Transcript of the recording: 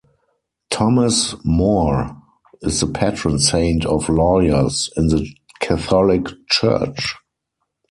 Thomas More is the patron saint of lawyers in the Catholic Church.